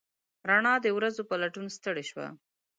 روڼا د ورځو په لټون ستړې شوه